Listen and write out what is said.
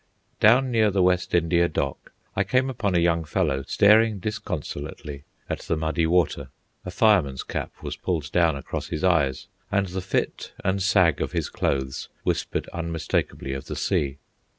Down near the West India Dock I came upon a young fellow staring disconsolately at the muddy water. A fireman's cap was pulled down across his eyes, and the fit and sag of his clothes whispered unmistakably of the sea.